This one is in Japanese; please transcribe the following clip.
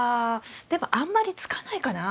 でもあんまりつかないかな。